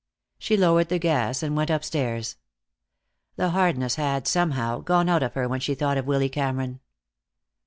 She lowered the gas and went upstairs. The hardness had, somehow, gone out of her when she thought of Willy Cameron.